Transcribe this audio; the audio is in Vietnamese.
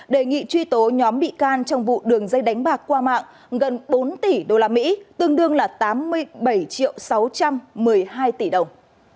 đề nghị truy tố nhóm bị can trong vụ đường dây đánh bạc qua mạng gần bốn tỷ usd tương đương là tám mươi bảy triệu sáu trăm một mươi hai tỷ đồng